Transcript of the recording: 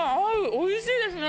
美味しいですね！